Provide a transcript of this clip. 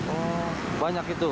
oh banyak itu